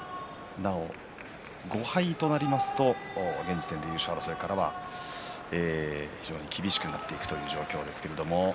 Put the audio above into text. なお５敗となりますと現時点で優勝争いからは非常に厳しくなるという状況です。